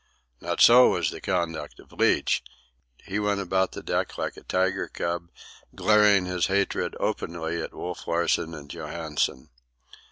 Not so was the conduct of Leach. He went about the deck like a tiger cub, glaring his hatred openly at Wolf Larsen and Johansen.